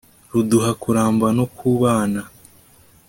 ruduha kuramba no kubana